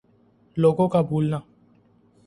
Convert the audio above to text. لوگوں کا بھولنا